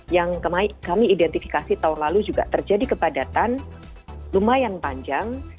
yang kami identifikasi tahun lalu juga terjadi kepadatan lumayan panjang